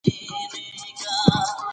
پردیان دلته ځواکونه لري.